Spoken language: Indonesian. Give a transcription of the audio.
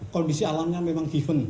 kondisi alamnya memang given